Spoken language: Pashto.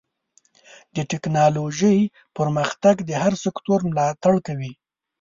د ټکنالوجۍ پرمختګ د هر سکتور ملاتړ کوي.